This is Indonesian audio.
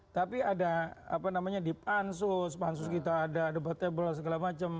tapi ada apa namanya di pansus pansus kita ada debatable segala macam